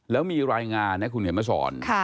แล้วมีรายงานนะคุณเขียนมาสอน